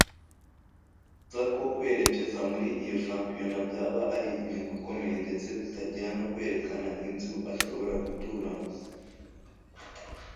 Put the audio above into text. bigaragaza ko kwerekeza muri iyo shampiyona byaba ari inyungu ikomeye ndetse bitangira no kwerekana inzu ashobora guturamo